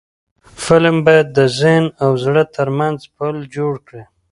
فلم باید د ذهن او زړه ترمنځ پل جوړ کړي